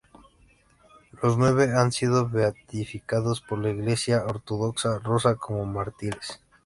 Los nueve han sido beatificados por la Iglesia Ortodoxa Rusa como mártires.